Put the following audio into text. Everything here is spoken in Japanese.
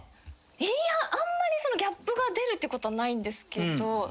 いやあんまりギャップが出るってことはないんですけど。